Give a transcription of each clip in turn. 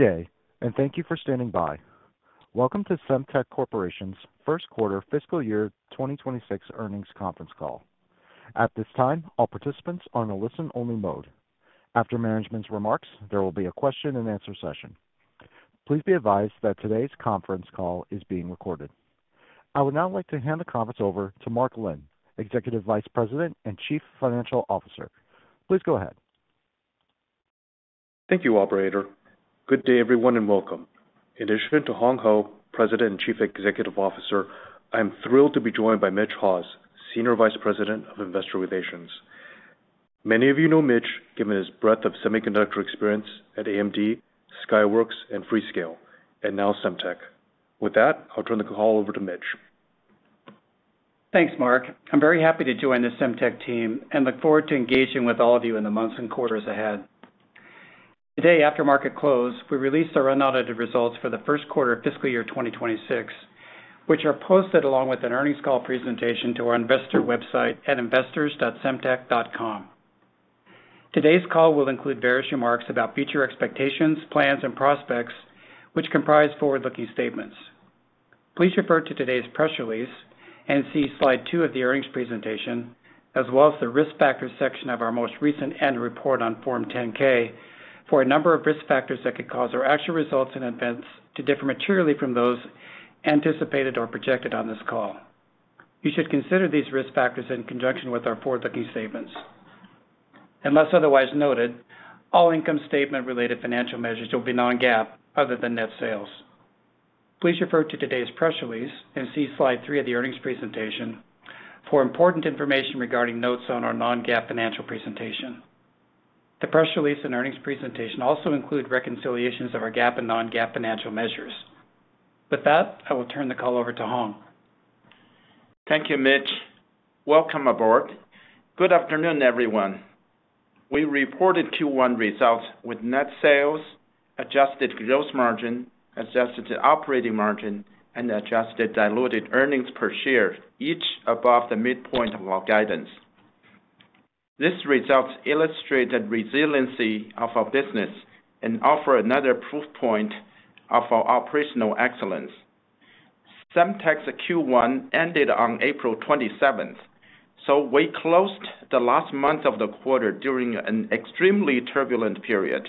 Good day, and thank you for standing by. Welcome to Semtech Corporation's First Quarter Fiscal Year 2026 Earnings Conference Call. At this time, all participants are in a listen-only mode. After management's remarks, there will be a question-and-answer session. Please be advised that today's conference call is being recorded. I would now like to hand the conference over to Mark Lin, Executive Vice President and Chief Financial Officer. Please go ahead. Thank you, Operator. Good day, everyone, and welcome. In addition to Hong Hou, President and Chief Executive Officer, I'm thrilled to be joined by Mitch Haws, Senior Vice President of Investor Relations. Many of you know Mitch, given his breadth of semiconductor experience at AMD, Skyworks, and Freescale, and now Semtech. With that, I'll turn the call over to Mitch. Thanks, Mark. I'm very happy to join the Semtech team and look forward to engaging with all of you in the months and quarters ahead. Today, after market close, we released our unaudited results for the first quarter of fiscal year 2026, which are posted along with an earnings call presentation to our investor website at investors.semtech.com. Today's call will include various remarks about future expectations, plans, and prospects, which comprise forward-looking statements. Please refer to today's press release and see slide two of the earnings presentation, as well as the risk factors section of our most recent annual report on Form 10-K for a number of risk factors that could cause our actual results and events to differ materially from those anticipated or projected on this call. You should consider these risk factors in conjunction with our forward-looking statements. Unless otherwise noted, all income statement-related financial measures will be non-GAAP other than net sales. Please refer to today's press release and see slide three of the earnings presentation for important information regarding notes on our non-GAAP financial presentation. The press release and earnings presentation also include reconciliations of our GAAP and non-GAAP financial measures. With that, I will turn the call over to Hong. Thank you, Mitch. Welcome aboard. Good afternoon, everyone. We reported Q1 results with net sales, adjusted gross margin, adjusted operating margin, and adjusted diluted earnings per share, each above the midpoint of our guidance. These results illustrate the resiliency of our business and offer another proof point of our operational excellence. Semtech's Q1 ended on April 27th, so we closed the last month of the quarter during an extremely turbulent period,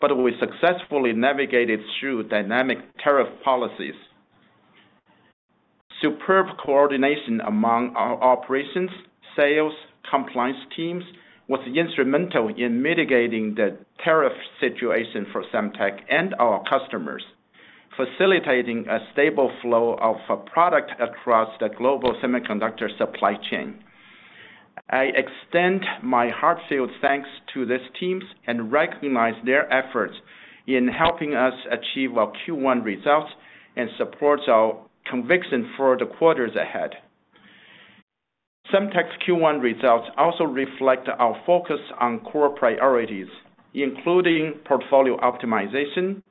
but we successfully navigated through dynamic tariff policies. Superb coordination among our operations, sales, and compliance teams was instrumental in mitigating the tariff situation for Semtech and our customers, facilitating a stable flow of product across the global semiconductor supply chain. I extend my heartfelt thanks to these teams and recognize their efforts in helping us achieve our Q1 results and support our conviction for the quarters ahead. Semtech's Q1 results also reflect our focus on core priorities, including portfolio optimization,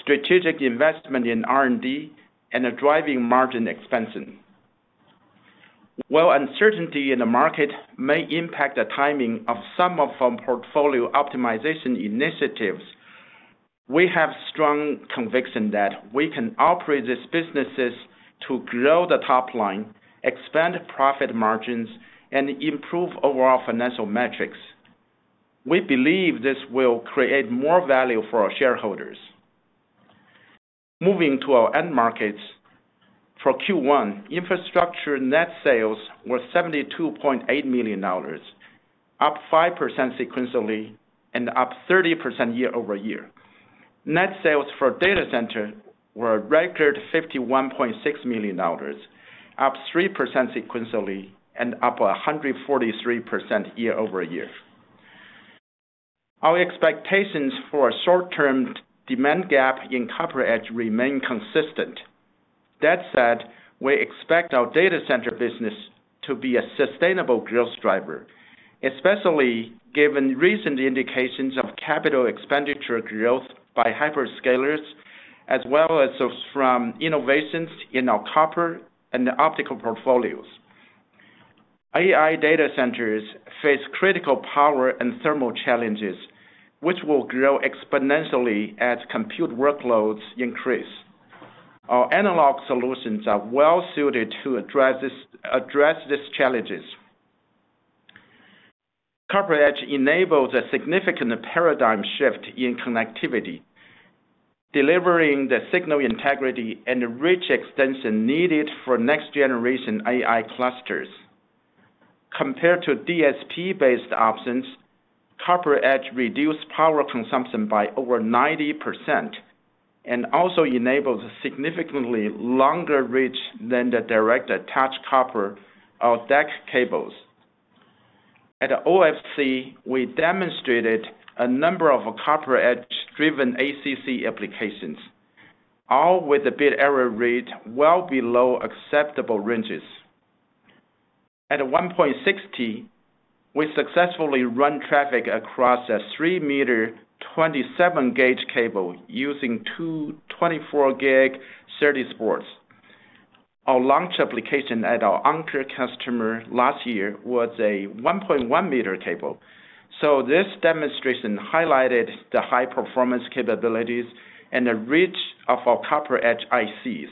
strategic investment in R&D, and driving margin expansion. While uncertainty in the market may impact the timing of some of our portfolio optimization initiatives, we have strong conviction that we can operate these businesses to grow the top line, expand profit margins, and improve overall financial metrics. We believe this will create more value for our shareholders. Moving to our end markets, for Q1, infrastructure net sales were $72.8 million, up 5% sequentially and up 30% year-over-year. Net sales for data centers were record $51.6 million, up 3% sequentially and up 143% year-over-year. Our expectations for a short-term demand gap in CopperEdge remain consistent. That said, we expect our data center business to be a sustainable growth driver, especially given recent indications of capital expenditure growth by hyperscalers, as well as from innovations in our copper and optical portfolios. AI data centers face critical power and thermal challenges, which will grow exponentially as compute workloads increase. Our analog solutions are well-suited to address these challenges. CopperEdge enables a significant paradigm shift in connectivity, delivering the signal integrity and reach extension needed for next-generation AI clusters. Compared to DSP-based options, CopperEdge reduces power consumption by over 90% and also enables significantly longer reach than the direct-attached copper or DAC cables. At OFC, we demonstrated a number of CopperEdge-driven ACC applications, all with a bit error rate well below acceptable ranges. At 1:60, we successfully run traffic across a three meter 27 gauge cable using two 24 gig [SerDes boards] (ph). Our launch application at our anchor customer last year was a 1.1 meter cable, so this demonstration highlighted the high-performance capabilities and the reach of our CopperEdge ICs.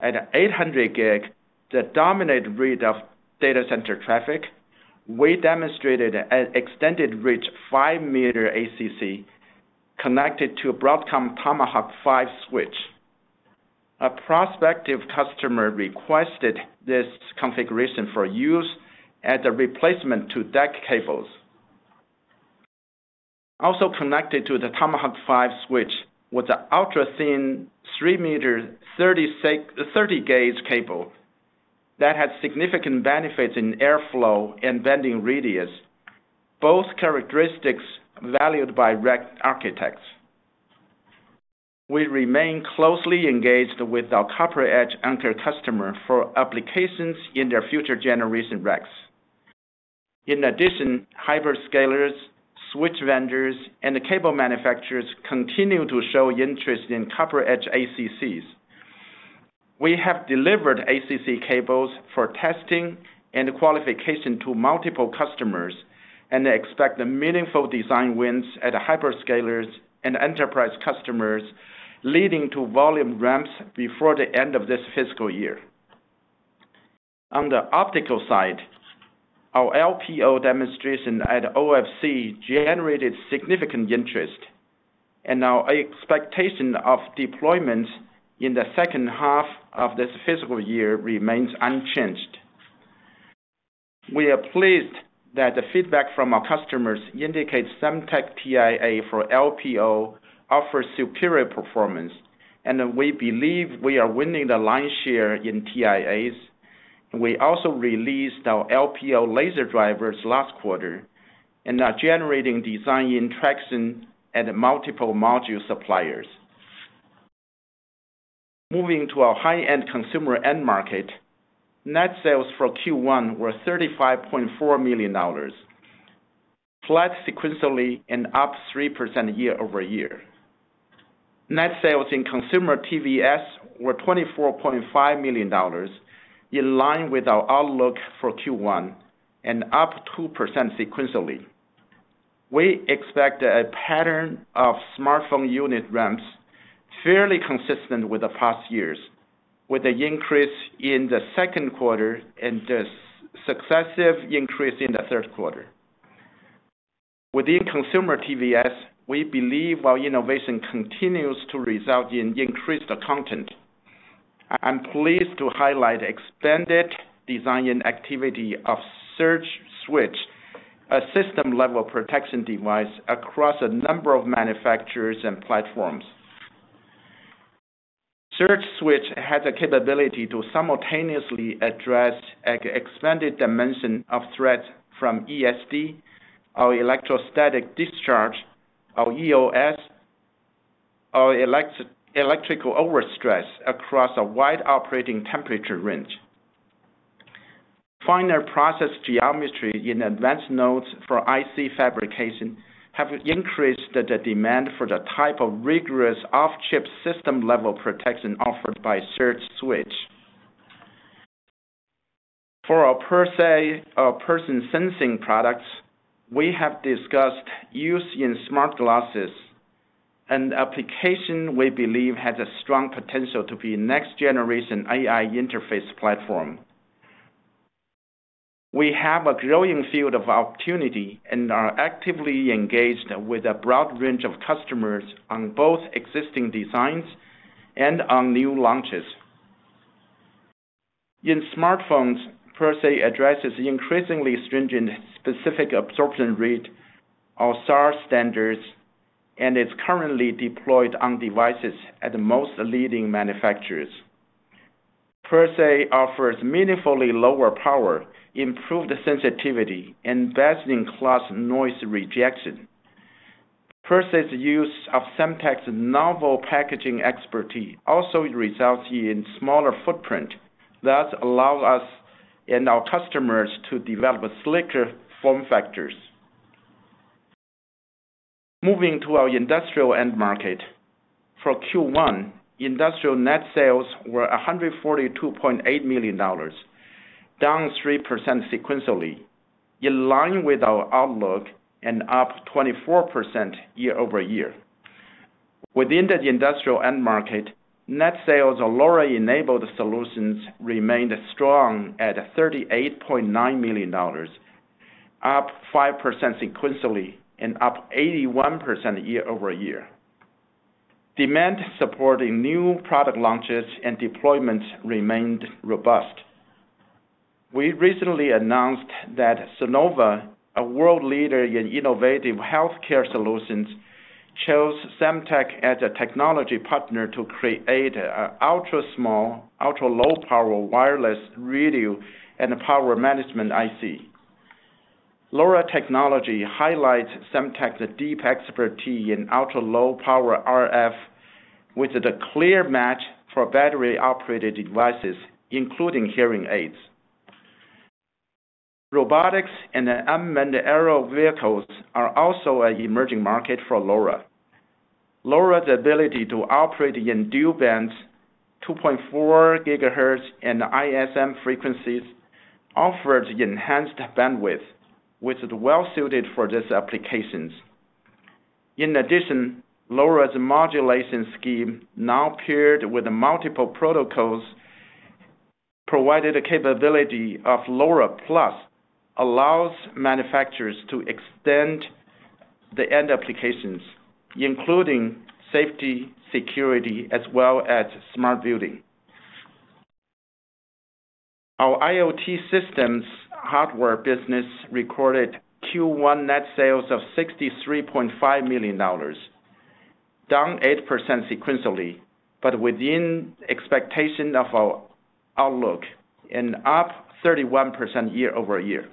At 800 gig, the dominant read of data center traffic, we demonstrated an extended reach five meter ACC connected to a Broadcom Tomahawk five switch. A prospective customer requested this configuration for use as a replacement to DAC cables. Also connected to the Tomahawk five switch was an ultra-thin three meter 30 gauge cable that had significant benefits in airflow and bending radius, both characteristics valued by rack architects. We remain closely engaged with our CopperEdge Oncre customer for applications in their future generation racks. In addition, hyperscalers, switch vendors, and cable manufacturers continue to show interest in CopperEdge ACCs. We have delivered ACC cables for testing and qualification to multiple customers and expect meaningful design wins at hyperscalers and enterprise customers, leading to volume ramps before the end of this fiscal year. On the optical side, our LPO demonstration at OFC generated significant interest, and our expectation of deployments in the second half of this fiscal year remains unchanged. We are pleased that the feedback from our customers indicates Semtech TIA for LPO offers superior performance, and we believe we are winning the line share in TIAs. We also released our LPO laser drivers last quarter and are generating design traction at multiple module suppliers. Moving to our high-end consumer end market, net sales for Q1 were $35.4 million, flat sequentially and up 3% year-over-year. Net sales in consumer TVS were $24.5 million, in line with our outlook for Q1, and up 2% sequentially. We expect a pattern of smartphone unit ramps fairly consistent with the past years, with an increase in the second quarter and a successive increase in the third quarter. Within consumer TVS, we believe our innovation continues to result in increased content. I'm pleased to highlight the expanded design activity of Surge Switch, a system-level protection device across a number of manufacturers and platforms. Surge Switch has the capability to simultaneously address an expanded dimension of threat from ESD, or electrostatic discharge, or EOS, or electrical overstress, across a wide operating temperature range. Finer process geometry in advanced nodes for IC fabrication has increased the demand for the type of rigorous off-chip system-level protection offered by Surge Switch. For our PerSe or person sensing products, we have discussed use in smart glasses, an application we believe has a strong potential to be a next generation AI interface platform. We have a growing field of opportunity and are actively engaged with a broad range of customers on both existing designs and on new launches. In smartphones, PerSe addresses increasingly stringent specific absorption rate, our SAR standards, and is currently deployed on devices at the most leading manufacturers. PerSe offers meaningfully lower power, improved sensitivity, and best-in-class noise rejection. PerSe's use of Semtech's novel packaging expertise also results in a smaller footprint, thus allowing us and our customers to develop slicker form factors. Moving to our industrial end market, for Q1, industrial net sales were $142.8 million, down 3% sequentially, in line with our outlook and up 24% year-over-year. Within the industrial end market, net sales of LoRa enabled solutions remained strong at $38.9 million, up 5% sequentially and up 81% year-over-year. Demand supporting new product launches and deployments remained robust. We recently announced that Sonova, a world leader in innovative healthcare solutions, chose Semtech as a technology partner to create an ultra-small, ultra-low-power wireless radio and power management IC. LoRa technology highlights Semtech's deep expertise in ultra-low-power RF, with a clear match for battery-operated devices, including hearing aids. Robotics and unmanned aerial vehicles are also an emerging market for LoRa. LoRa's ability to operate in dual-bands, 2.4 gigahertz, and ISM frequencies offers enhanced bandwidth, which is well-suited for these applications. In addition, LoRa's modulation scheme, now paired with multiple protocols, provided the capability of LoRa Plus, allowing manufacturers to extend the end applications, including safety, security, as well as smart building. Our IoT systems hardware business recorded Q1 net sales of $63.5 million, down 8% sequentially, but within expectation of our outlook and up 31% year-over-year.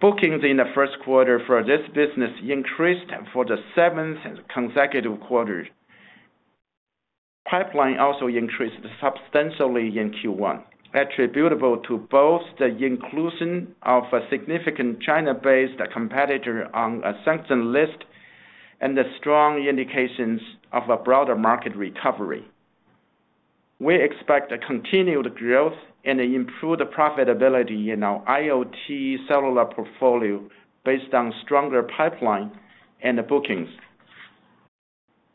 Bookings in the first quarter for this business increased for the seventh consecutive quarter. Pipeline also increased substantially in Q1, attributable to both the inclusion of a significant China-based competitor on a sanctioned list and the strong indications of a broader market recovery. We expect continued growth and improved profitability in our IoT cellular portfolio based on stronger pipeline and bookings.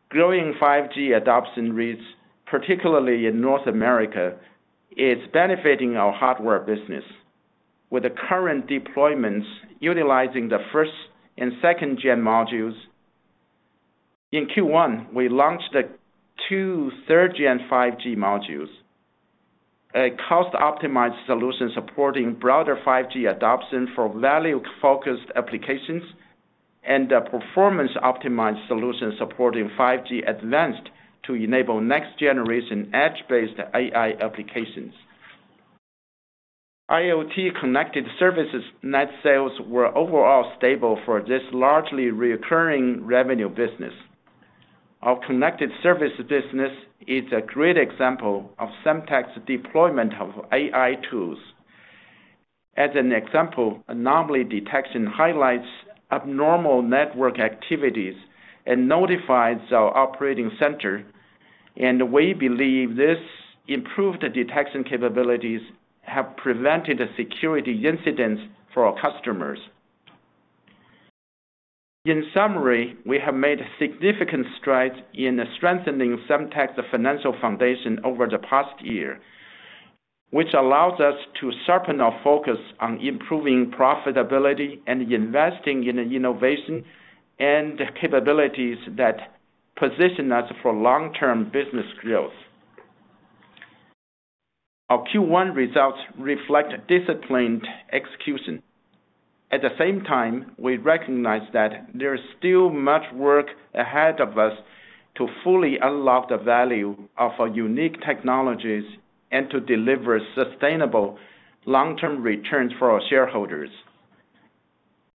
Growing 5G adoption reach, particularly in North America, is benefiting our hardware business, with the current deployments utilizing the first- and second-gen modules. In Q1, we launched two third-gen 5G modules, a cost-optimized solution supporting broader 5G adoption for value-focused applications, and a performance-optimized solution supporting 5G advanced to enable next-generation edge-based AI applications. IoT connected services net sales were overall stable for this largely recurring revenue business. Our connected service business is a great example of Semtech's deployment of AI tools. As an example, anomaly detection highlights abnormal network activities and notifies our operating center, and we believe these improved detection capabilities have prevented security incidents for our customers. In summary, we have made significant strides in strengthening Semtech's financial foundation over the past year, which allows us to sharpen our focus on improving profitability and investing in innovation and capabilities that position us for long-term business growth. Our Q1 results reflect disciplined execution. At the same time, we recognize that there is still much work ahead of us to fully unlock the value of our unique technologies and to deliver sustainable long-term returns for our shareholders.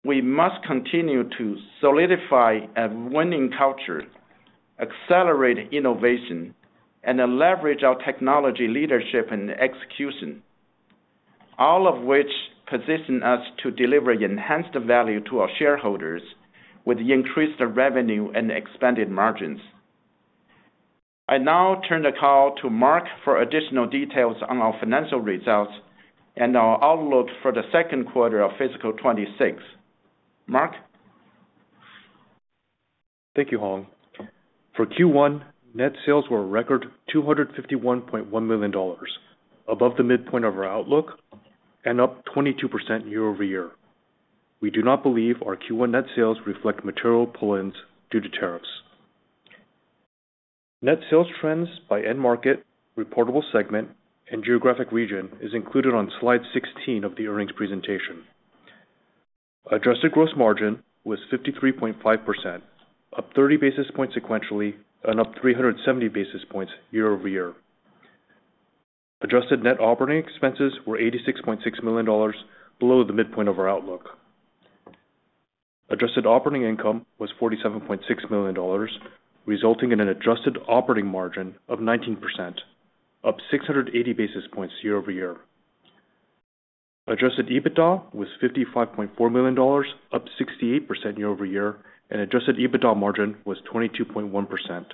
We must continue to solidify a winning culture, accelerate innovation, and leverage our technology leadership and execution, all of which position us to deliver enhanced value to our shareholders with increased revenue and expanded margins. I now turn the call to Mark for additional details on our financial results and our outlook for the second quarter of fiscal 2026. Mark? Thank you, Hong. For Q1, net sales were a record $251.1 million, above the midpoint of our outlook and up 22% year-over-year. We do not believe our Q1 net sales reflect material pull-ins due to tariffs. Net sales trends by end market, reportable segment, and geographic region are included on slide 16 of the earnings presentation. Adjusted gross margin was 53.5%, up 30 basis points sequentially and up 370 basis points year-over-year. Adjusted net operating expenses were $86.6 million, below the midpoint of our outlook. Adjusted operating income was $47.6 million, resulting in an adjusted operating margin of 19%, up 680 basis points year-over-year. Adjusted EBITDA was $55.4 million, up 68% year-over-year, and adjusted EBITDA margin was 22.1%,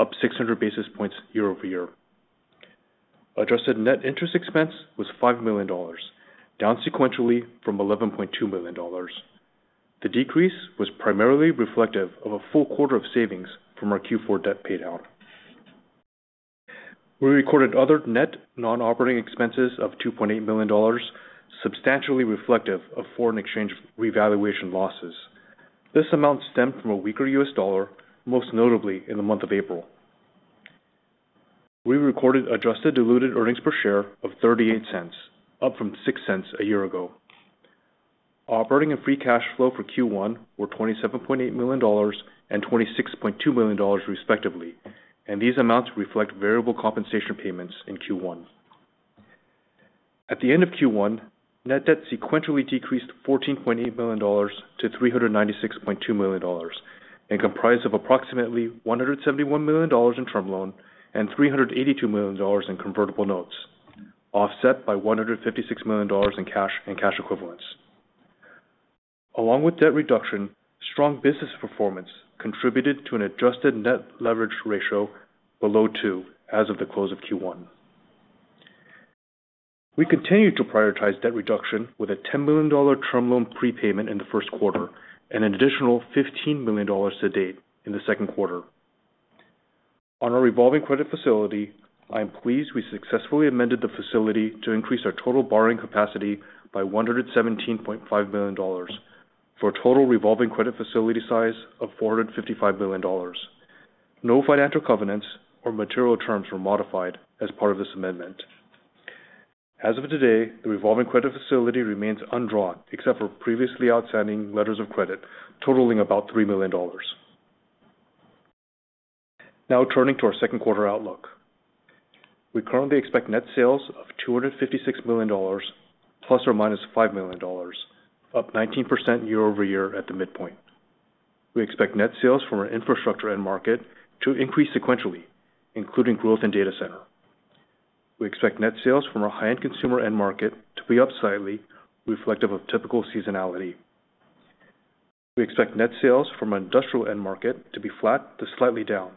up 600 basis points year-over-year. Adjusted net interest expense was $5 million, down sequentially from $11.2 million. The decrease was primarily reflective of a full quarter of savings from our Q4 debt paydown. We recorded other net non-operating expenses of $2.8 million, substantially reflective of foreign exchange revaluation losses. This amount stemmed from a weaker US dollar, most notably in the month of April. We recorded adjusted diluted earnings per share of $0.38, up from $0.06 a year ago. Operating and free cash flow for Q1 were $27.8 million and $26.2 million, respectively, and these amounts reflect variable compensation payments in Q1. At the end of Q1, net debt sequentially decreased $14.8 million to $396.2 million and comprised of approximately $171 million in term loan and $382 million in convertible notes, offset by $156 million in cash and cash equivalents. Along with debt reduction, strong business performance contributed to an adjusted net leverage ratio below two as of the close of Q1. We continue to prioritize debt reduction with a $10 million term loan prepayment in the first quarter and an additional $15 million to date in the second quarter. On our revolving credit facility, I am pleased we successfully amended the facility to increase our total borrowing capacity by $117.5 million for a total revolving credit facility size of $455 million. No financial covenants or material terms were modified as part of this amendment. As of today, the revolving credit facility remains undrawn except for previously outstanding letters of credit, totaling about $3 million. Now turning to our second quarter outlook, we currently expect net sales of $256 million, plus or minus $5 million, up 19% year-over-year at the midpoint. We expect net sales from our infrastructure end market to increase sequentially, including growth in data center. We expect net sales from our high-end consumer end market to be up slightly, reflective of typical seasonality. We expect net sales from our industrial end market to be flat to slightly down,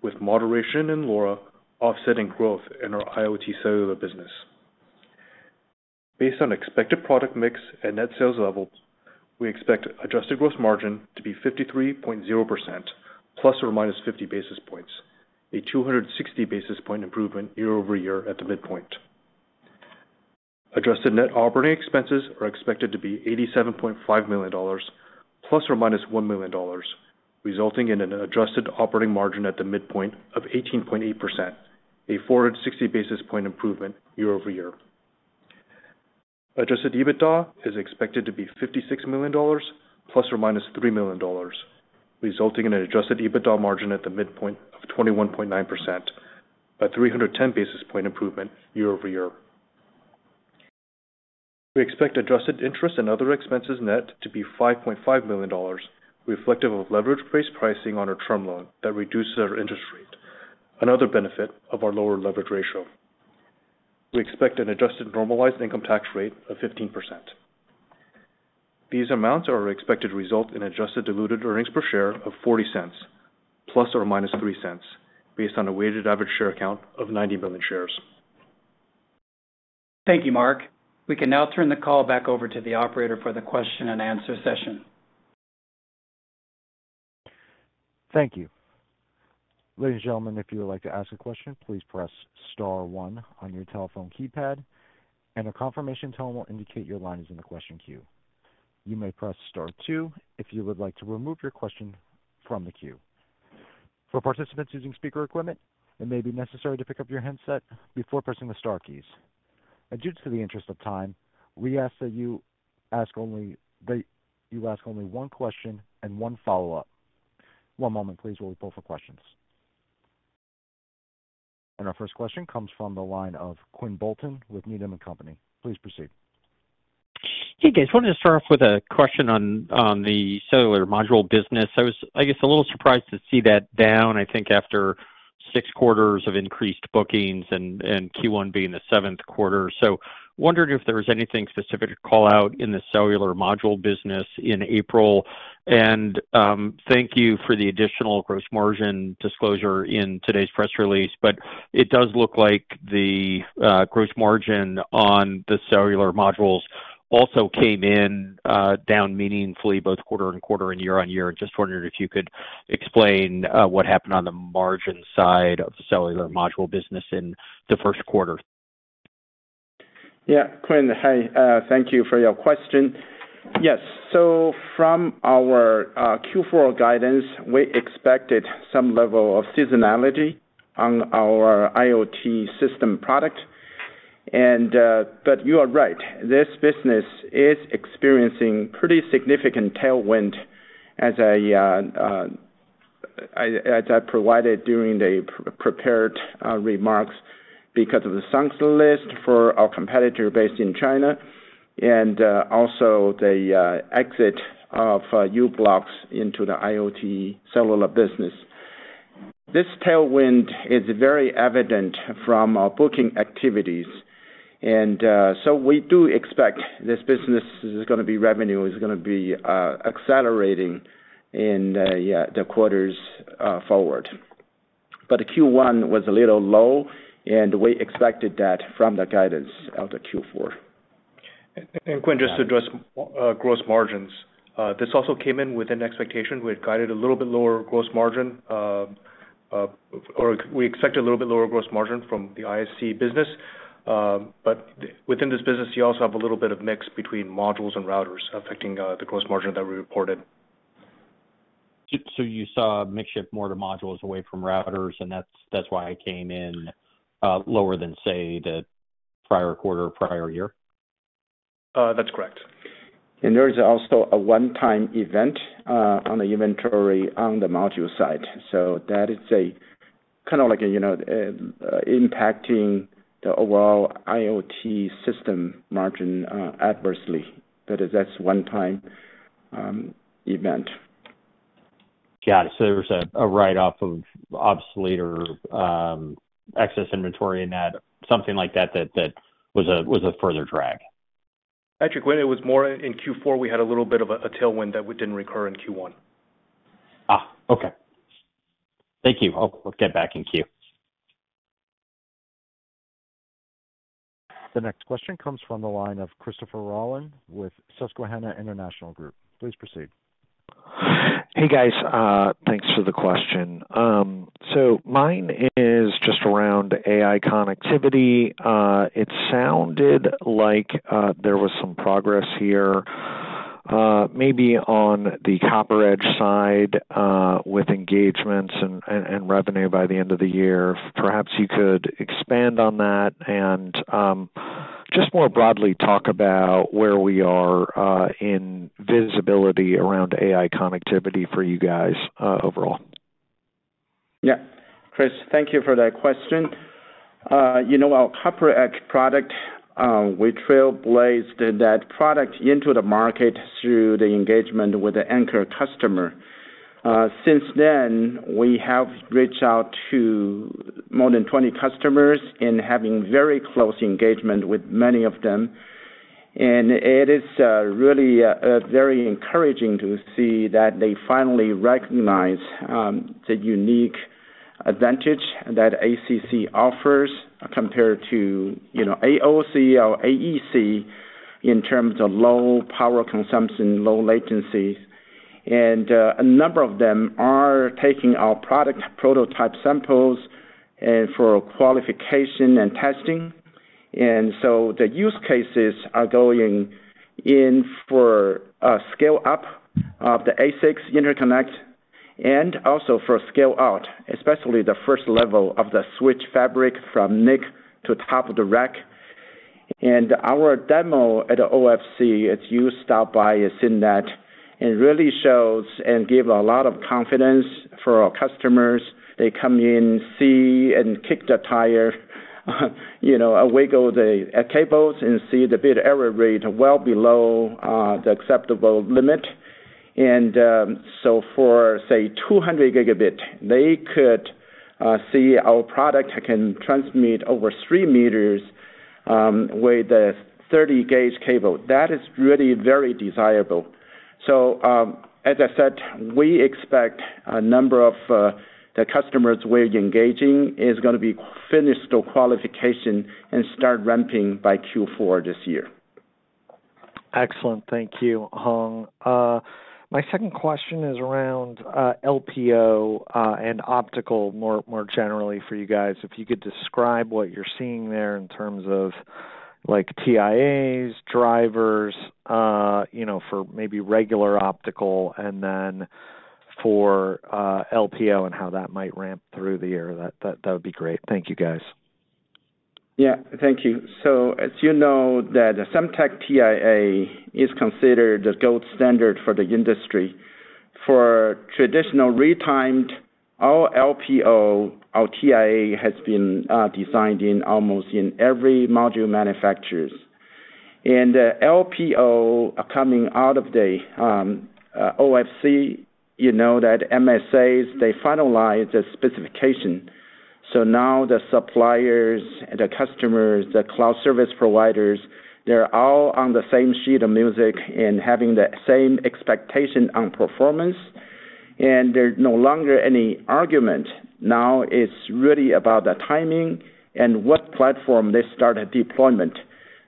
with moderation in LoRa offsetting growth in our IoT cellular business. Based on expected product mix and net sales levels, we expect adjusted gross margin to be 53.0%, plus or minus 50 basis points, a 260 basis point improvement year-over-year at the midpoint. Adjusted net operating expenses are expected to be $87.5 million, plus or minus $1 million, resulting in an adjusted operating margin at the midpoint of 18.8%, a 460 basis point improvement year-over-year. Adjusted EBITDA is expected to be $56 million, plus or minus $3 million, resulting in an adjusted EBITDA margin at the midpoint of 21.9%, a 310 basis point improvement year-over-year. We expect adjusted interest and other expenses net to be $5.5 million, reflective of leverage-based pricing on our term loan that reduces our interest rate, another benefit of our lower leverage ratio. We expect an adjusted normalized income tax rate of 15%. These amounts are expected to result in adjusted diluted earnings per share of $0.40, plus or minus $0.03, based on a weighted average share count of 90 million shares. Thank you, Mark. We can now turn the call back over to the operator for the question and answer session. Thank you. Ladies and gentlemen, if you would like to ask a question, please press star one on your telephone keypad, and a confirmation tone will indicate your line is in the question queue. You may press star two if you would like to remove your question from the queue. For participants using speaker equipment, it may be necessary to pick up your headset before pressing the star keys. Due to the interest of time, we ask that you ask only one question and one follow-up. One moment, please, while we pull for questions. Our first question comes from the line of Quinn Bolton with Needham & Company. Please proceed. Hey, guys. Wanted to start off with a question on the cellular module business. I was, I guess, a little surprised to see that down, I think, after six quarters of increased bookings and Q1 being the seventh quarter. I wondered if there was anything specific to call out in the cellular module business in April. Thank you for the additional gross margin disclosure in today's press release, but it does look like the gross margin on the cellular modules also came in down meaningfully both quarter on quarter and year-on-year. I just wondered if you could explain what happened on the margin side of the cellular module business in the first quarter? Yeah. Quinn, hi. Thank you for your question. Yes. From our Q4 guidance, we expected some level of seasonality on our IoT system product. You are right. This business is experiencing pretty significant tailwind, as I provided during the prepared remarks, because of the sanctioned list for our competitor based in China and also the exit of U Blocks from the IoT cellular business. This tailwind is very evident from our booking activities. We do expect this business is going to be revenue is going to be accelerating in the quarters forward. Q1 was a little low, and we expected that from the guidance of the Q4. Quinn, just to address gross margins, this also came in with an expectation. We had guided a little bit lower gross margin, or we expected a little bit lower gross margin from the ISC business. Within this business, you also have a little bit of mix between modules and routers affecting the gross margin that we reported. You saw a mixture of more to modules away from routers, and that's why it came in lower than, say, the prior quarter or prior year. That's correct. There is also a onetime event on the inventory on the module side. That is kind of like impacting the overall IoT system margin adversely. That is a onetime event. Got it. There was a write-off of obsolete or excess inventory in that, something like that, that was a further drag. Actually, Quinn, it was more in Q4. We had a little bit of a tailwind that did not recur in Q1. Okay. Thank you. Oh, we will get back in queue. The next question comes from the line of Christopher Rolland with Susquehanna International Group. Please proceed. Hey, guys. Thanks for the question. Mine is just around AI connectivity. It sounded like there was some progress here, maybe on the CopperEdge side with engagements and revenue by the end of the year. Perhaps you could expand on that and just more broadly talk about where we are in visibility around AI connectivity for you guys overall? Chris, thank you for that question. Our CopperEdge product, we trailblazed that product into the market through the engagement with the anchor customer. Since then, we have reached out to more than 20 customers and have very close engagement with many of them. It is really very encouraging to see that they finally recognize the unique advantage that ACC offers compared to AOC or AEC in terms of low power consumption, low latency. A number of them are taking our product prototype samples for qualification and testing. The use cases are going in for a scale-up of the ASICs interconnect and also for scale-out, especially the first level of the switch fabric from NIC to top of the REC. Our demo at OFC is used out by CNET and really shows and gives a lot of confidence for our customers. They come in, see, and kick the tire, wiggle the cables, and see the bit error rate well below the acceptable limit. For, say, 200 gigabit, they could see our product can transmit over three meters with a 30-gauge cable. That is really very desirable. As I said, we expect a number of the customers we are engaging is going to be finished their qualification and start ramping by Q4 this year. Excellent. Thank you, Hong. My second question is around LPO and optical more generally for you guys. If you could describe what you are seeing there in terms of TIAs, drivers for maybe regular optical, and then for LPO and how that might ramp through the year, that would be great. Thank you, guys. Yeah. Thank you. As you know, the Semtech TIA is considered the gold standard for the industry. For traditional retimed, all LPO, all TIA has been designed in almost in every module manufacturers. LPO coming out of the OFC, you know that MSAs, they finalize the specification. Now the suppliers, the customers, the cloud service providers, they're all on the same sheet of music and having the same expectation on performance. There's no longer any argument. Now it's really about the timing and what platform they started deployment.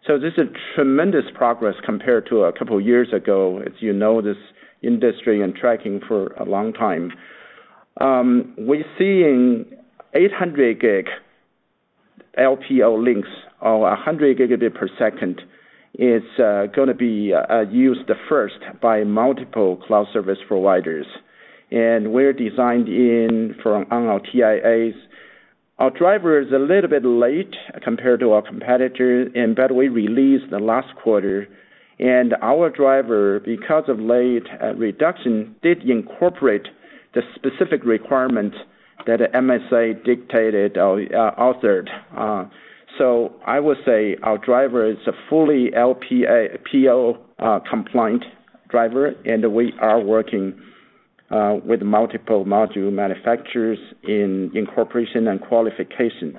This is tremendous progress compared to a couple of years ago, as you know, this industry and tracking for a long time. We're seeing 800 gig LPO links, or 100 gigabit per second, is going to be used first by multiple cloud service providers. We're designed in for our TIAs. Our driver is a little bit late compared to our competitor, but we released the last quarter. Our driver, because of late reduction, did incorporate the specific requirement that MSA dictated or authored. I would say our driver is a fully LPO compliant driver, and we are working with multiple module manufacturers in incorporation and qualification.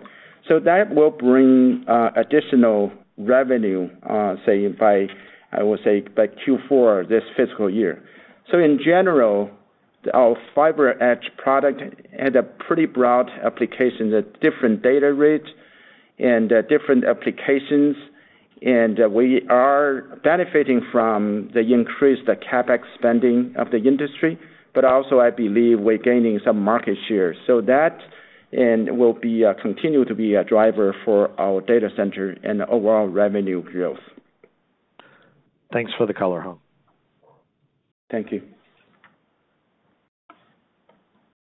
That will bring additional revenue, I would say, by Q4 this fiscal year. In general, our FiberEdge product had a pretty broad application, different data rates and different applications. We are benefiting from the increased CapEx spending of the industry, but also, I believe, we're gaining some market share. That will continue to be a driver for our data center and overall revenue growth. Thanks for the color, Hong. Thank you.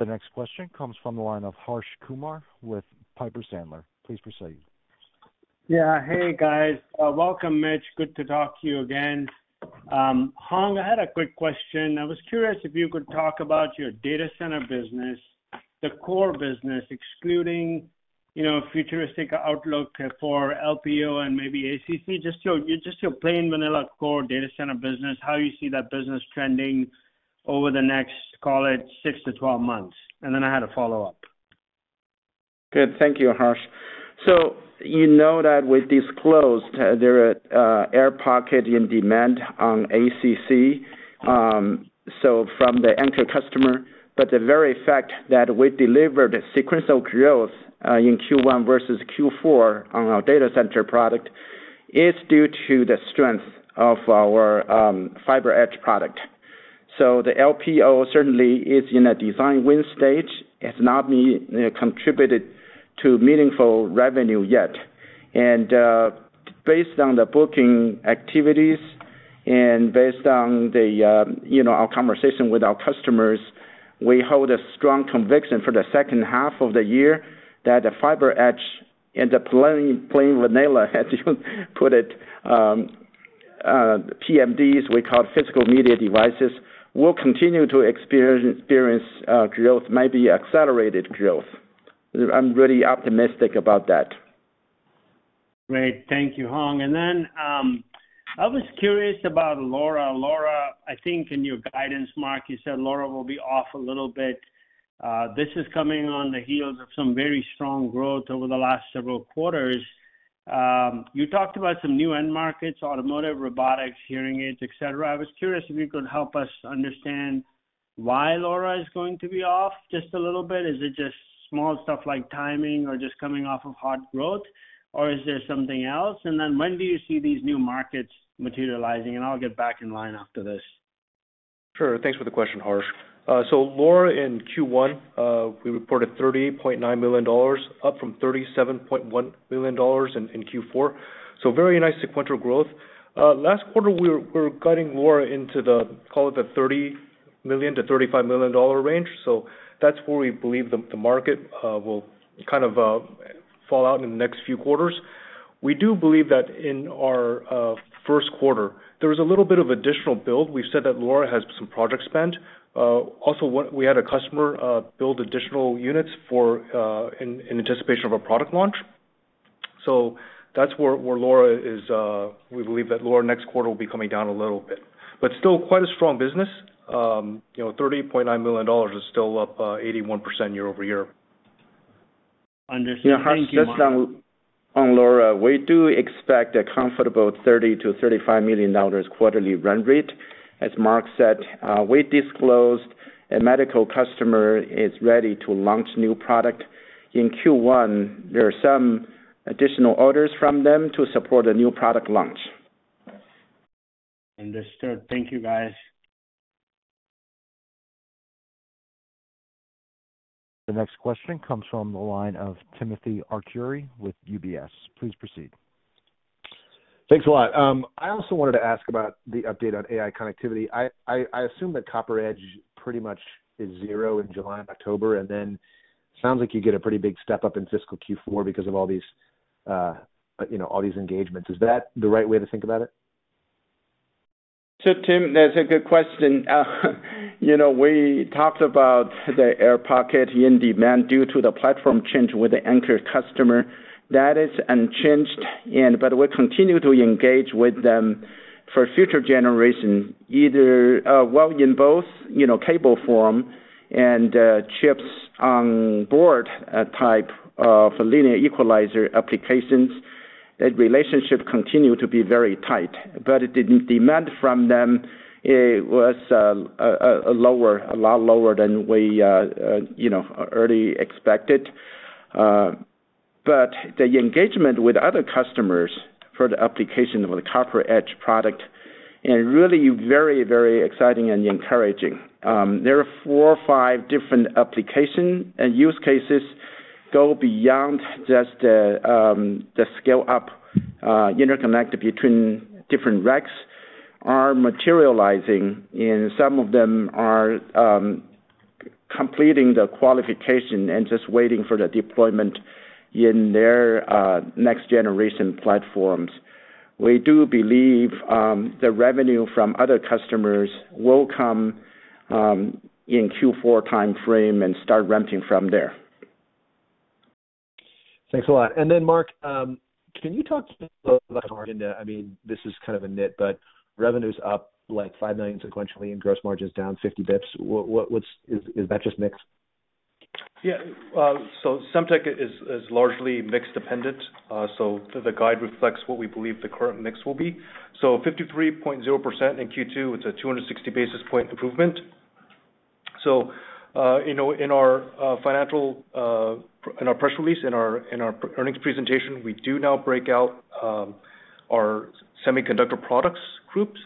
The next question comes from the line of Harsh Kumar with Piper Sandler. Please proceed. Yeah. Hey, guys. Welcome, Mitch. Good to talk to you again. Hong, I had a quick question. I was curious if you could talk about your data center business, the core business, excluding futuristic outlook for LPO and maybe ACC, just your plain vanilla core data center business, how you see that business trending over the next, call it, six to twelve months? Then I had a follow-up. Good. Thank you, Harsh. You know that we disclosed there are air pockets in demand on ACC from the anchor customer. The very fact that we delivered sequential growth in Q1 versus Q4 on our data center product is due to the strength of our FiberEdge product. The LPO certainly is in a design win stage. It has not contributed to meaningful revenue yet. Based on the booking activities and based on our conversation with our customers, we hold a strong conviction for the second half of the year that the FiberEdge and the plain vanilla, as you put it, PMDs, we call it physical media devices, will continue to experience growth, maybe accelerated growth. I'm really optimistic about that. Great. Thank you, Hong. I was curious about LoRa. LoRa, I think in your guidance, Mark, you said LoRa will be off a little bit. This is coming on the heels of some very strong growth over the last several quarters. You talked about some new end markets, automotive, robotics, hearing aids, etc. I was curious if you could help us understand why LoRa is going to be off just a little bit? Is it just small stuff like timing or just coming off of hot growth, or is there something else? When do you see these new markets materializing? I'll get back in line after this. Sure. Thanks for the question, Harsh. So LoRa in Q1, we reported $38.9 million, up from $37.1 million in Q4. Very nice sequential growth. Last quarter, we were guiding LoRa into the, call it, the $30 million-$35 million range. That's where we believe the market will kind of fall out in the next few quarters. We do believe that in our first quarter, there was a little bit of additional build. We've said that LoRa has some project spend. Also, we had a customer build additional units in anticipation of a product launch. That's where LoRa is. We believe that LoRa next quarter will be coming down a little bit, but still quite a strong business. $38.9 million is still up 81% year over year. Understood. Thank you. Yeah. Harsh, just on LoRa, we do expect a comfortable $30-$35 million quarterly run rate. As Mark said, we disclosed a medical customer is ready to launch new product. In Q1, there are some additional orders from them to support a new product launch. Understood. Thank you, guys. The next question comes from the line of Timothy Arcuri with UBS. Please proceed. Thanks a lot. I also wanted to ask about the update on AI connectivity. I assume that CopperEdge pretty much is zero in July and October, and then it sounds like you get a pretty big step up in fiscal Q4 because of all these engagements. Is that the right way to think about it? Tim, that's a good question. We talked about the air pocket in demand due to the platform change with the anchor customer. That is unchanged, but we continue to engage with them for future generation, either, well, in both cable form and chips on board type of linear equalizer applications. That relationship continued to be very tight, but the demand from them was a lot lower than we early expected. The engagement with other customers for the application of the CopperEdge product is really very, very exciting and encouraging. There are four or five different applications, and use cases go beyond just the scale-up interconnect between different racks, are materializing, and some of them are completing the qualification and just waiting for the deployment in their next-generation platforms. We do believe the revenue from other customers will come in Q4 timeframe and start ramping from there. Thanks a lot. Mark, can you talk a little bit about? I mean, this is kind of a nit, but revenue's up like $5 million sequentially and gross margin's down 50 basis points. Is that just mix? Yeah. Semtech is largely mix dependent. The guide reflects what we believe the current mix will be. 53.0% in Q2, it's a 260 basis point improvement. In our press release, in our earnings presentation, we do now break out our semiconductor products groups.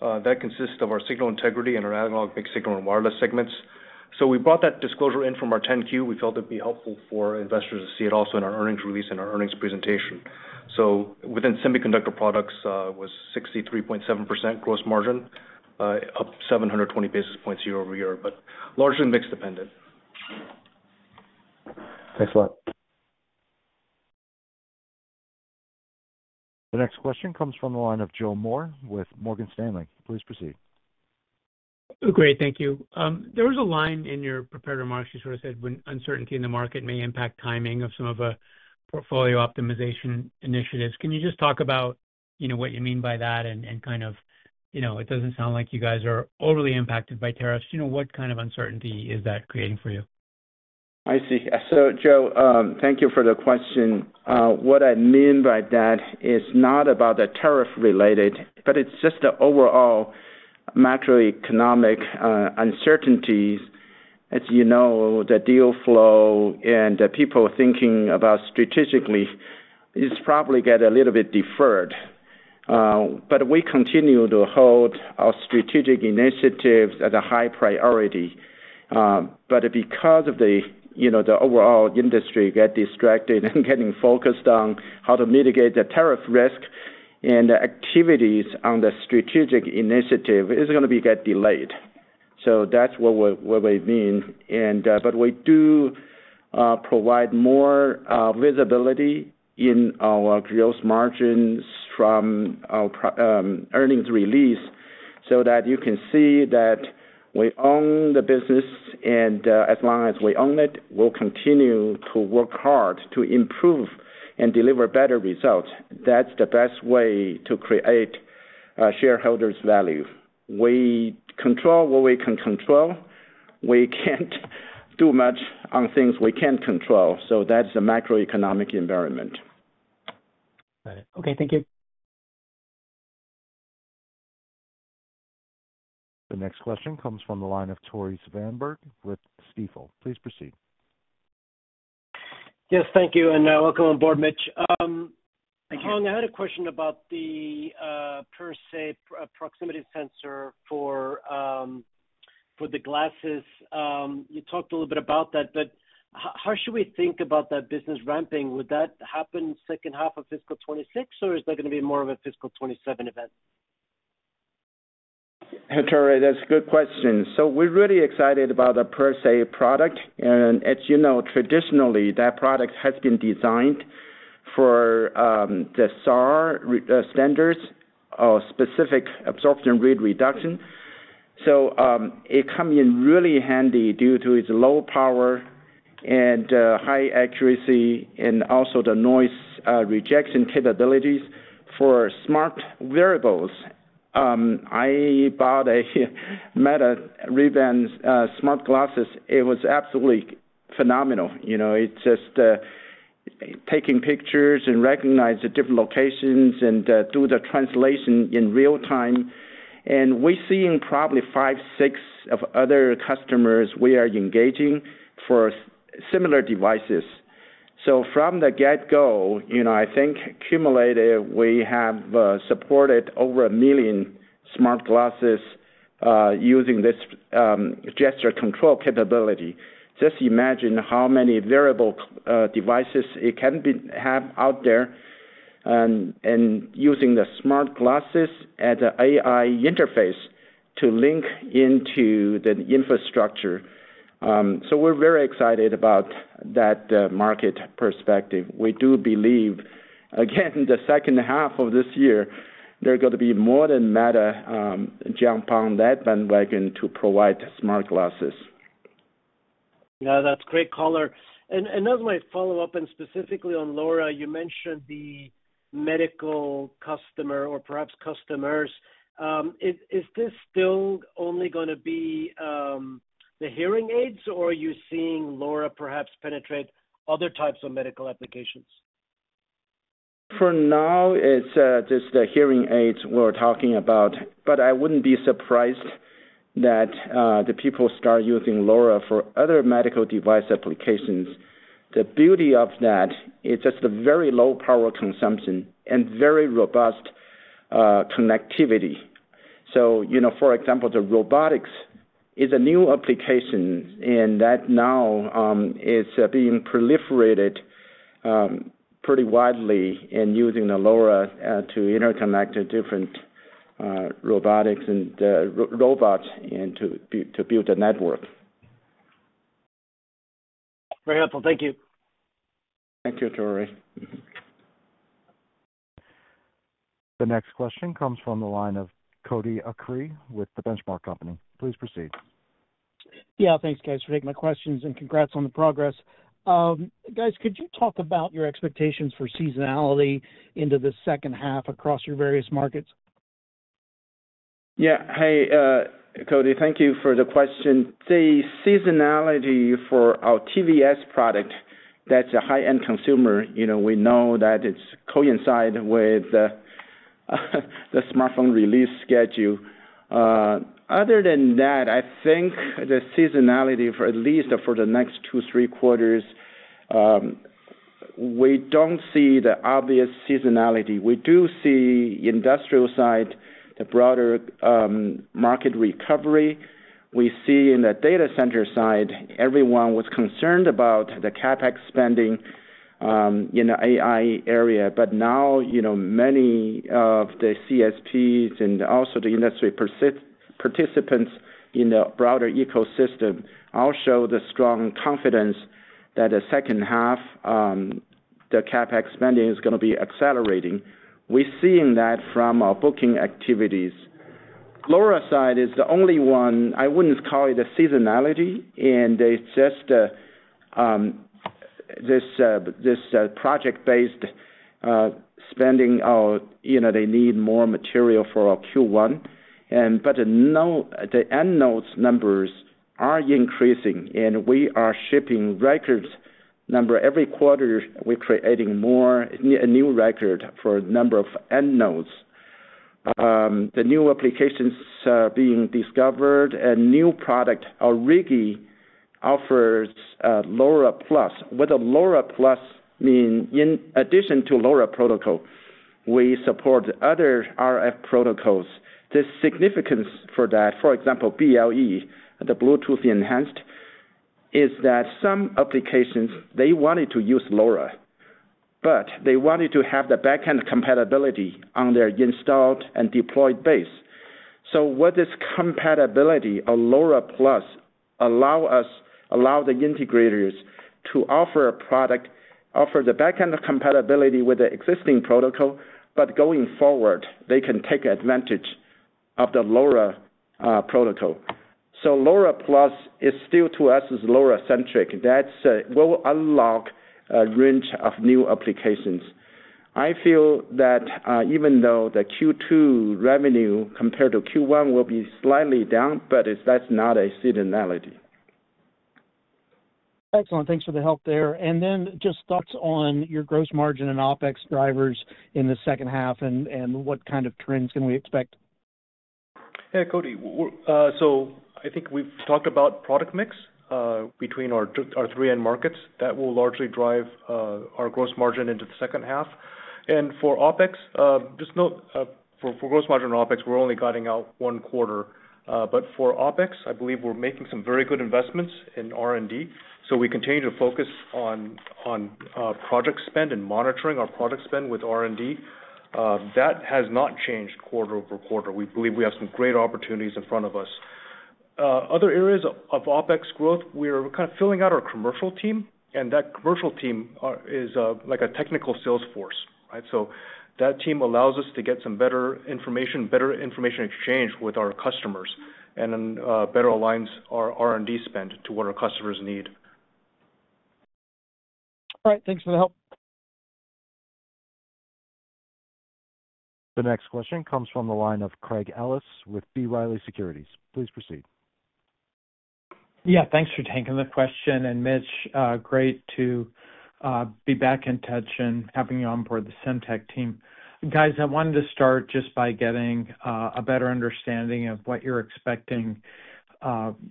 That consists of our signal integrity and our analog, mixed signal, and wireless segments. We brought that disclosure in from our 10Q. We felt it'd be helpful for investors to see it also in our earnings release and our earnings presentation. So within semiconductor products, it was 63.7% gross margin, up 720 basis points year over year, but largely mix dependent. Thanks a lot. The next question comes from the line of Joe Moore with Morgan Stanley. Please proceed. Great. Thank you. There was a line in your prepared remarks. You sort of said uncertainty in the market may impact timing of some of the portfolio optimization initiatives. Can you just talk about what you mean by that? And kind of it does not sound like you guys are overly impacted by tariffs. What kind of uncertainty is that creating for you? I see. So, Joe, thank you for the question. What I mean by that is not about the tariff-related, but it is just the overall macroeconomic uncertainties. As you know, the deal flow and people thinking about strategically is probably got a little bit deferred. We continue to hold our strategic initiatives as a high priority. Because the overall industry got distracted and focused on how to mitigate the tariff risk, the activities on the strategic initiative are going to be delayed. That is what we mean. We do provide more visibility in our gross margins from our earnings release so that you can see that we own the business, and as long as we own it, we will continue to work hard to improve and deliver better results. That is the best way to create shareholders' value. We control what we can control. We cannot do much on things we cannot control. That is the macroeconomic environment. Got it. Okay. Thank you. The next question comes from the line of Tore Svanberg with Stifel. Please proceed. Yes. Thank you. And welcome on board, Mitch. Thank you. Hong, I had a question about the PerSe proximity sensor for the glasses. You talked a little bit about that, but how should we think about that business ramping? Would that happen second half of fiscal 2026, or is that going to be more of a fiscal 2027 event? That's a good question. We're really excited about the PerSe product. As you know, traditionally, that product has been designed for the SAR standards, specific absorption rate reduction. It comes in really handy due to its low power and high accuracy and also the noise rejection capabilities for smart wearables. I bought a Meta Ray-Ban's smart glasses. It was absolutely phenomenal. It's just taking pictures and recognizing different locations and doing the translation in real time. We're seeing probably five, six other customers we are engaging for similar devices. From the get-go, I think cumulatively, we have supported over a million smart glasses using this gesture control capability. Just imagine how many wearable devices it can have out there and using the smart glasses as an AI interface to link into the infrastructure. We are very excited about that market perspective. We do believe, again, the second half of this year, there are going to be more than Meta jump on that bandwagon to provide smart glasses. Yeah. That is great color. As my follow-up, and specifically on LoRa, you mentioned the medical customer or perhaps customers. Is this still only going to be the hearing aids, or are you seeing LoRa perhaps penetrate other types of medical applications? For now, it is just the hearing aids we are talking about. I would not be surprised that people start using LoRa for other medical device applications. The beauty of that is just the very low power consumption and very robust connectivity. For example, the robotics is a new application, and that now is being proliferated pretty widely and using the LoRa to interconnect different robotics and robots to build a network. Very helpful. Thank you. Thank you, Tore. The next question comes from the line of Cody Acree with The Benchmark Company. Please proceed. Yeah. Thanks, guys, for taking my questions and congrats on the progress. Guys, could you talk about your expectations for seasonality into the second half across your various markets? Yeah. Hey, Cody, thank you for the question. The seasonality for our TVS product, that's a high-end consumer, we know that it's coinciding with the smartphone release schedule. Other than that, I think the seasonality, at least for the next two, three quarters, we don't see the obvious seasonality. We do see industrial side, the broader market recovery. We see in the data center side, everyone was concerned about the CapEx spending in the AI area, but now many of the CSPs and also the industry participants in the broader ecosystem all show the strong confidence that the second half, the CapEx spending is going to be accelerating. We're seeing that from our booking activities. LoRa side is the only one I wouldn't call it a seasonality, and it's just this project-based spending of they need more material for Q1. But the end nodes numbers are increasing, and we are shipping records number every quarter. We're creating a new record for number of end nodes. The new applications being discovered and new product, our Riggi offers LoRa Plus. What does LoRa Plus mean, In addition to LoRa Protocol, we support other RF protocols. The significance for that, for example, BLE, the Bluetooth Enhanced, is that some applications, they wanted to use LoRa, but they wanted to have the backend compatibility on their installed and deployed base. What this compatibility of LoRa Plus allows us, allows the integrators to offer a product, offer the backend compatibility with the existing protocol, but going forward, they can take advantage of the LoRa protocol. LoRa Plus is still, to us, LoRa Centric. That will unlock a range of new applications. I feel that even though the Q2 revenue compared to Q1 will be slightly down, that's not a seasonality. Excellent. Thanks for the help there. Just thoughts on your gross margin and OpEx drivers in the second half and what kind of trends can we expect? Hey, Cody. I think we've talked about product mix between our three end markets that will largely drive our gross margin into the second half. For OpEx, just note, for gross margin and OpEx, we're only guiding out one quarter. For OpEx, I believe we're making some very good investments in R&D. We continue to focus on project spend and monitoring our project spend with R&D. That has not changed quarter over quarter. We believe we have some great opportunities in front of us. Other areas of OpEx growth, we're kind of filling out our commercial team, and that commercial team is like a technical sales force, right? That team allows us to get some better information, better information exchange with our customers, and better aligns our R&D spend to what our customers need. All right. Thanks for the help. The next question comes from the line of Craig Ellis with B. Riley Securities. Please proceed. Yeah. Thanks for taking the question. And Mitch, great to be back in touch and having you on board the Semtech team. Guys, I wanted to start just by getting a better understanding of what you're expecting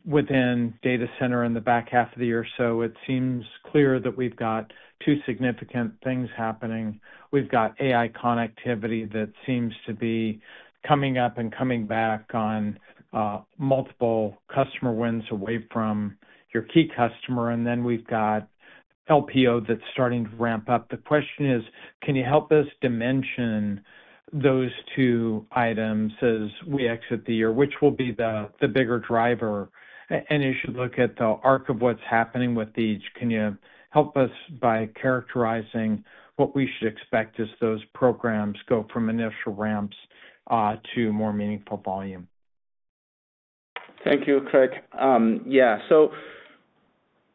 within data center in the back half of the year. It seems clear that we've got two significant things happening. We've got AI connectivity that seems to be coming up and coming back on multiple customer wins away from your key customer. We've got LPO that's starting to ramp up. The question is, can you help us dimension those two items as we exit the year, which will be the bigger driver? As you look at the arc of what's happening with these, can you help us by characterizing what we should expect as those programs go from initial ramps to more meaningful volume? Thank you, Craig. Yeah.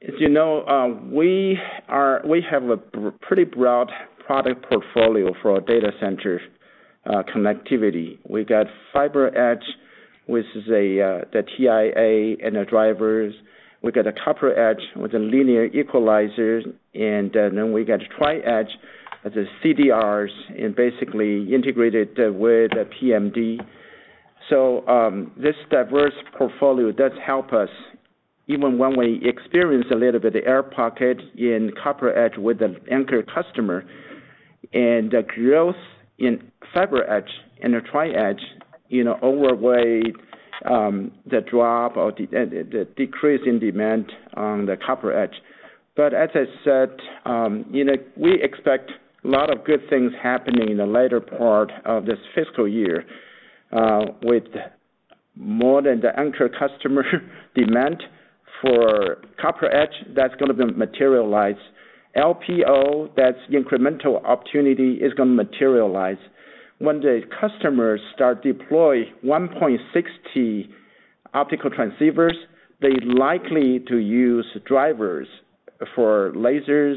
As you know, we have a pretty broad product portfolio for data center connectivity. We got FiberEdge, which is the TIA and the drivers. We got CopperEdge with a linear equalizer. And then we got Tri-Edge as a CDRs and basically integrated with PMD. This diverse portfolio does help us even when we experience a little bit of air pocket in CopperEdge with the anchor customer. The growth in FiberEdge and the Tri-Edge overweighed the drop or the decrease in demand on the CopperEdge. As I said, we expect a lot of good things happening in the later part of this fiscal year with more than the anchor customer demand for CopperEdge. That is going to materialize. LPO, that is incremental opportunity, is going to materialize. When the customers start deploying 1.6T optical transceivers, they are likely to use drivers for lasers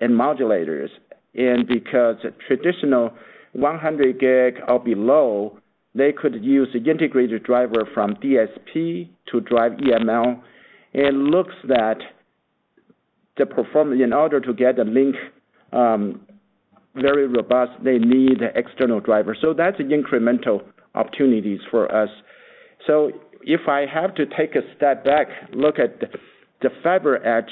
and modulators. Because traditional 100 gig or below, they could use an integrated driver from DSP to drive EML. It looks like the performance, in order to get a link very robust, they need external drivers. That is incremental opportunities for us. If I have to take a step back, look at the FiberEdge,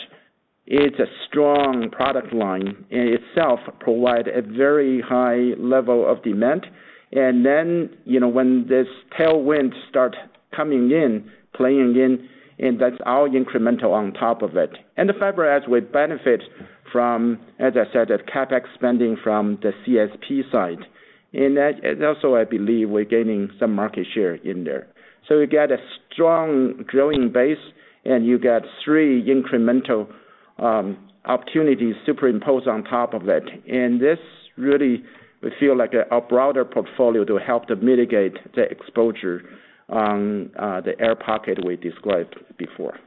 it is a strong product line in itself, provides a very high level of demand. When this tailwind starts coming in, playing in, that is all incremental on top of it. The FiberEdge, we benefit from, as I said, the CapEx spending from the CSP side. I believe we're gaining some market share in there. You get a strong growing base, and you get three incremental opportunities superimposed on top of it. This really feels like a broader portfolio to help to mitigate the exposure on the air pocket we described before.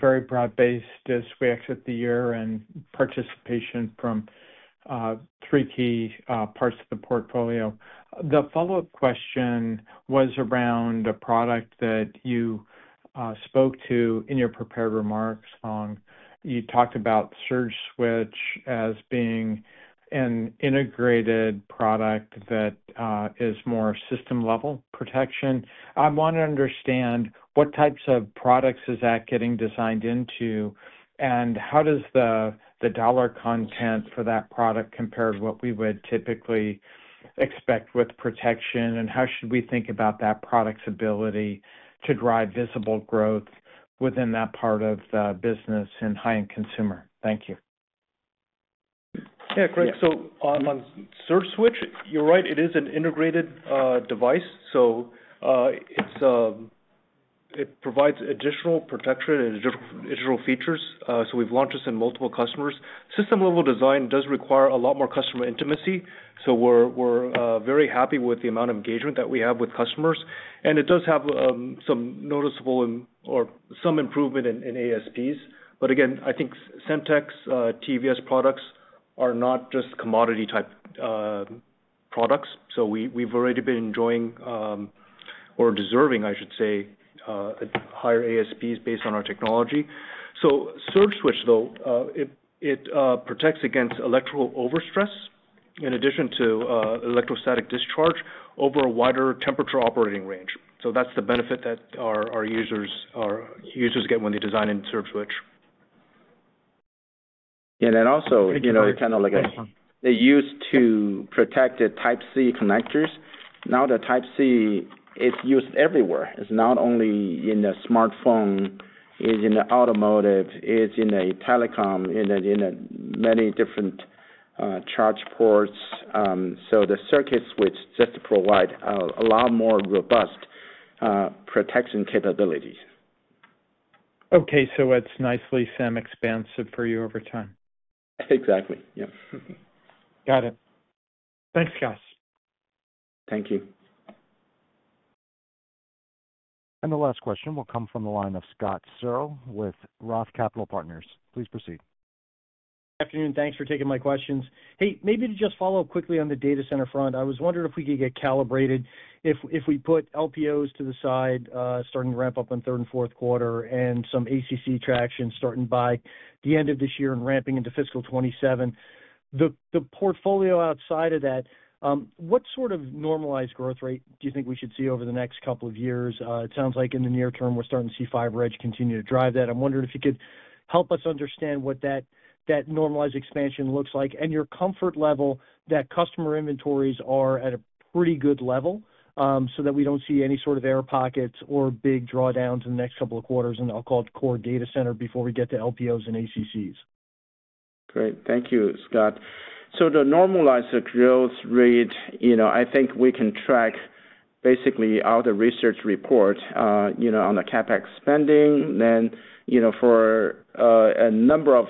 Very broad-based as we exit the year and participation from three key parts of the portfolio. The follow-up question was around a product that you spoke to in your prepared remarks on. You talked about SurgeSwitch as being an integrated product that is more system-level protection? I want to understand what types of products is that getting designed into, and how does the dollar content for that product compare to what we would typically expect with protection, and how should we think about that product's ability to drive visible growth within that part of the business in high-end consumer? Thank you. Yeah, Craig. On SurgeSwitch, you're right. It is an integrated device. It provides additional protection and additional features. We've launched this in multiple customers. System-level design does require a lot more customer intimacy. We're very happy with the amount of engagement that we have with customers. It does have some noticeable or some improvement in ASPs. Again, I think Semtech's TVS products are not just commodity-type products. We've already been enjoying or deserving, I should say, higher ASPs based on our technology. SurgeSwitch, though, it protects against electrical overstress in addition to electrostatic discharge over a wider temperature operating range. That is the benefit that our users get when they design in SurgeSwitch. Also, it is kind of like they used to protect the Type-C connectors. Now the Type-C is used everywhere. It is not only in the smartphone. It is in the automotive. It is in the telecom, in many different charge ports. The SurgeSwitch just provides a lot more robust protection capabilities. Okay. It is nicely semi-expansive for you over time. Exactly. Yeah. Got it. Thanks, guys. Thank you. The last question will come from the line of Scott Searle with ROTH Capital Partners. Please proceed. Good afternoon. Thanks for taking my questions. Hey, maybe to just follow up quickly on the data center front, I was wondering if we could get calibrated if we put LPOs to the side starting to ramp up in third and fourth quarter and some ACC traction starting by the end of this year and ramping into fiscal 2027. The portfolio outside of that, what sort of normalized growth rate do you think we should see over the next couple of years? It sounds like in the near term, we're starting to see FiberEdge continue to drive that. I'm wondering if you could help us understand what that normalized expansion looks like and your comfort level that customer inventories are at a pretty good level so that we do not see any sort of air pockets or big drawdowns in the next couple of quarters in the so-called core data center before we get to LPOs and ACCs. Great. Thank you, Scott. The normalized growth rate, I think we can track basically all the research reports on the CapEx spending. For a number of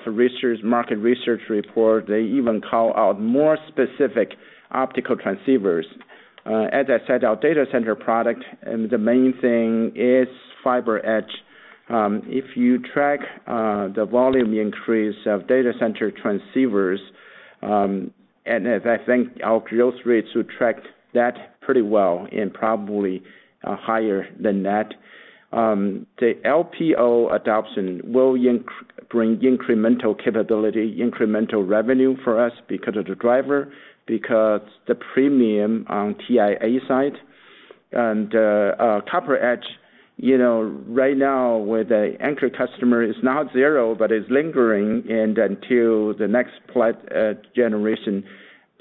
market research reports, they even call out more specific optical transceivers. As I said, our data center product, the main thing is FiberEdge. If you track the volume increase of data center transceivers, I think our growth rate should track that pretty well and probably higher than that. The LPO adoption will bring incremental capability, incremental revenue for us because of the driver, because the premium on TIA side. CopperEdge, right now with the anchor customer, it is not zero, but it is lingering until the next generation.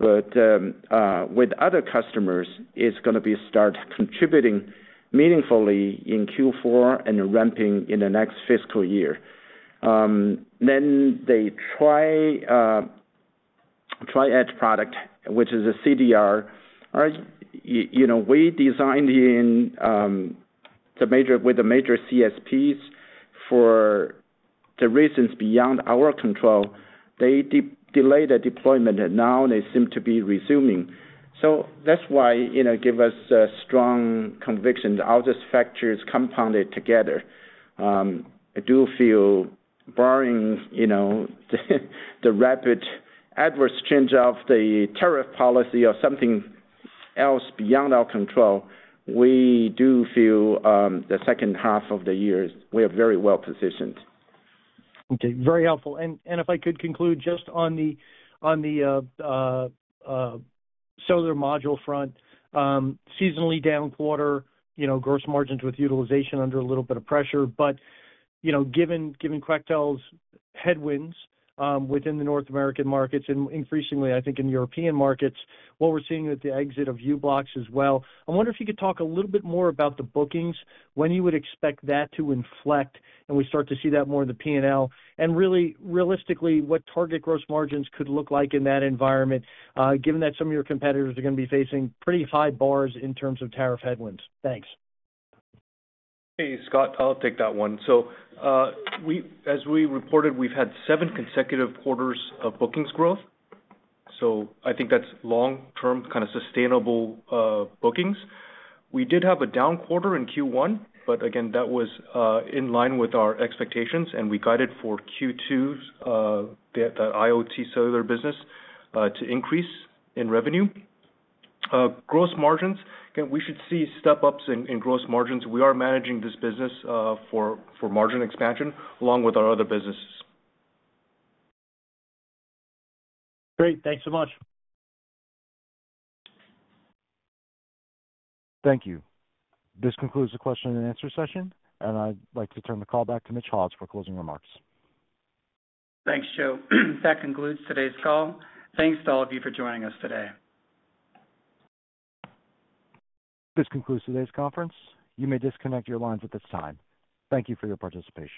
With other customers, it is going to start contributing meaningfully in Q4 and ramping in the next fiscal year. The Tri-Edge product, which is a CDR, we designed with the major CSPs for reasons beyond our control. They delayed the deployment, and now they seem to be resuming. That is why it gives us a strong conviction that all these factors compounded together. I do feel barring the rapid adverse change of the tariff policy or something else beyond our control, we do feel the second half of the year, we are very well positioned. Okay. Very helpful. If I could conclude just on the solar module front, seasonally down quarter, gross margins with utilization under a little bit of pressure. Given Quectel's headwinds within the North American markets and increasingly, I think, in European markets, what we are seeing with the exit of U-Blocks as well. I wonder if you could talk a little bit more about the bookings, when you would expect that to inflect, and we start to see that more in the P&L, and realistically, what target gross margins could look like in that environment, given that some of your competitors are going to be facing pretty high bars in terms of tariff headwinds.?Thanks. Hey, Scott, I'll take that one. As we reported, we've had seven consecutive quarters of bookings growth. I think that's long-term kind of sustainable bookings. We did have a down quarter in Q1, but again, that was in line with our expectations, and we guided for Q2, the IoT cellular business to increase in revenue. Gross margins, we should see step-ups in gross margins. We are managing this business for margin expansion along with our other businesses. Great. Thanks so much. Thank you. This concludes the question and answer session, and I'd like to turn the call back to Mitch Haws for closing remarks. Thanks, Joe. That concludes today's call. Thanks to all of you for joining us today. This concludes today's conference. You may disconnect your lines at this time. Thank you for your participation.